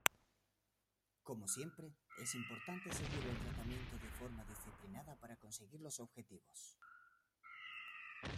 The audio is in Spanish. Como siempre, es importante seguir el tratamiento de forma disciplinada para conseguir los objetivos.